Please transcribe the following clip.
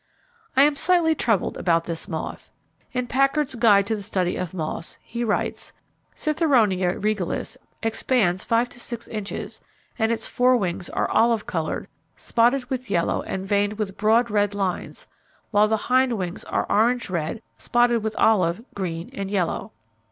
I am slightly troubled about this moth. In Packard's "Guide to the Study of Moths", he writes: "Citheronia Regalis expands five to six inches, and its fore wings are olive coloured, spotted with yellow and veined with broad red lines, while the hind wings are orange red, spotted with olive, green, and yellow."